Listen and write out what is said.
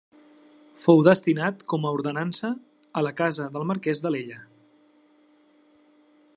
Fou destinat com a ordenança a la casa del marquès d'Alella.